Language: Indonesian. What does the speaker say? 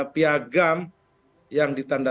piagam yang ditanda